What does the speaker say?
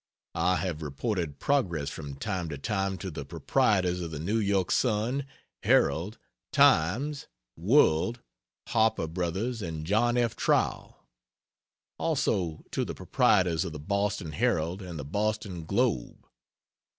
I have reported progress from time to time to the proprietors of the N. Y. Sun, Herald, Times, World, Harper Brothers and John F. Trow; also to the proprietors of the Boston Herald and the Boston Globe.